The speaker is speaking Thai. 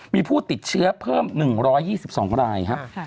มีผู้ติดเชื้อเพิ่ม๑๒๒รายครับ